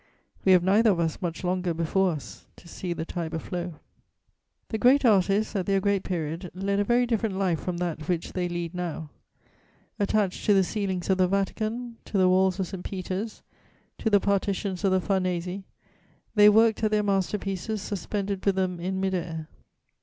We have neither of us much longer before us to see the Tiber flow. [Sidenote: The Roman artists.] The great artists, at their great period, led a very different life from that which they lead now: attached to the ceilings of the Vatican, to the walls of St. Peter's, to the partitions of the Farnese, they worked at their master pieces suspended with them in mid air.